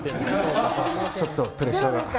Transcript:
ちょっとプレッシャーが。